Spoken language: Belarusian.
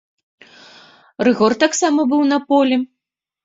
Рыгор таксама быў на полі.